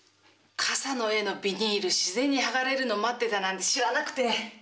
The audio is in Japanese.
傘の柄のビニール自然に剥がれるの待ってたなんて知らなくて！